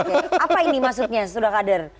oke apa ini maksudnya sudah kader